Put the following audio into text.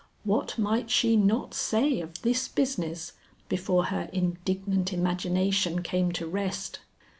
What might she not say of this business, before her indignant imagination came to rest?